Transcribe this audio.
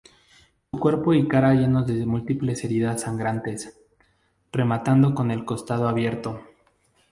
Su cuerpo y cara llenos de múltiples heridas sangrantes, rematando con el costado abierto.